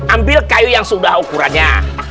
ambil kayu yang sudah ukurannya